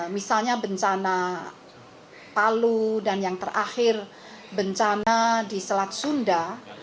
misalnya bencana palu dan yang terakhir bencana di selat sunda